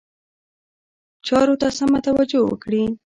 چارو ته سمه توجه وکړي.